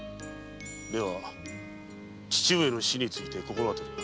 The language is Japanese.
では父上の死について心当たりは？